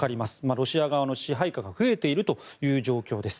ロシア側の支配下が増えているという状況です。